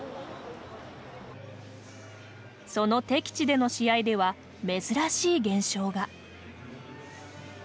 その敵地での試合では珍しい現象が。